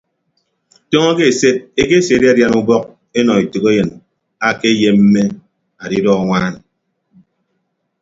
Tọọñọ ke eset ekesidadian ubọk enọ etәkeyịn akeyemme adidọ anwaan.